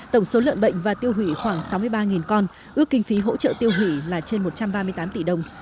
tổng số lợn bệnh và tiêu hủy khoảng sáu mươi ba con ước kinh phí hỗ trợ tiêu hủy là trên một trăm ba mươi tám tỷ đồng